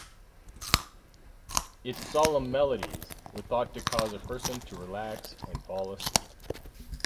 Its solemn melodies were thought to cause a person to relax and fall asleep.